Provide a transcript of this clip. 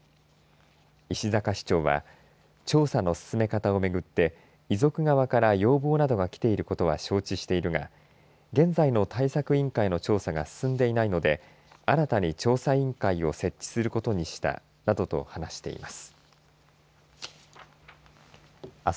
石阪市長は調査の進め方を巡って遺族側から要望などがきていることは承知しているが現在の対策委員会の調査が進んでいないので新たに調査委員会を設置することにしたなどと話しています。